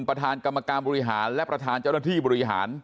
ประธานกรรมการบริหารและประธานเจ้าหน้าที่บริหาร